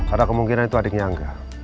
ada kemungkinan itu adiknya enggak